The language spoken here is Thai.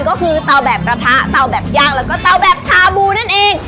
ก็คือเตาแบบกระทะเตาแบบย่างแล้วก็เตาแบบชาบูนั่นเอง